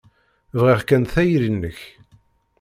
Bɣiɣ kan tayri-nnek.